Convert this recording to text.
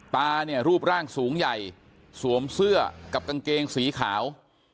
ตาเนี่ยรูปร่างสูงใหญ่สวมเสื้อกับกางเกงสีขาว